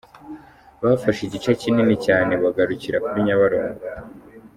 Bafashe igice kinini cyane bagarukira kuri Nyabarongo.